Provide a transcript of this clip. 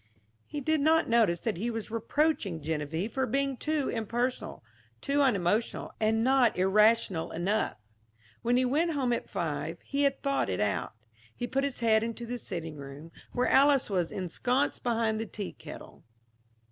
He did not notice that he was reproaching Geneviève for being too impersonal, too unemotional and not irrational enough. When he went home at five, he had thought it out. He put his head into the sitting room, where Alys was ensconced behind the tea kettle.